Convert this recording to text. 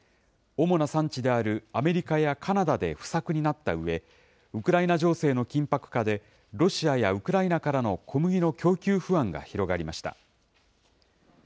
主な産地であるアメリカやカナダで不作になったうえ、ウクライナ情勢の緊迫化でロシアやウクライナからの小麦の供給不安が広がりました。